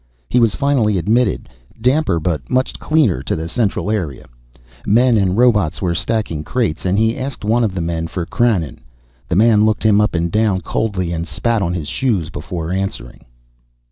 He was finally admitted, damper but much cleaner to the central area. Men and robots were stacking crates and he asked one of the men for Krannon. The man looked him up and down coldly and spat on his shoes before answering.